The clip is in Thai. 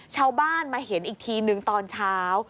ชาวบ้านมาเห็นอีกทีนึงตอนเช้า